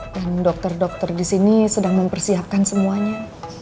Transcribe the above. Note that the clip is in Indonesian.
dan dokter dokter disini sedang mempersiapkan semuanya